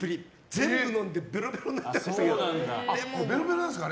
全部飲んでべろべろになってましたけど。